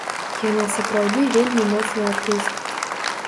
Яна сапраўды вельмі моцны артыст.